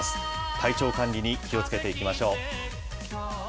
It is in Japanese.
体調管理に気をつけていきましょう。